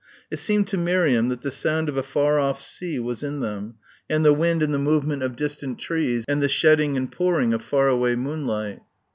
It seemed to Miriam that the sound of a far off sea was in them, and the wind and the movement of distant trees and the shedding and pouring of far away moonlight.